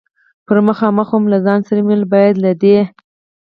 پر مخامخ ووم، له ځان سره مې وویل: باید له دې.